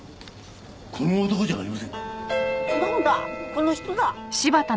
この人だ。